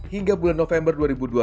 hingga bulan november dua ribu dua puluh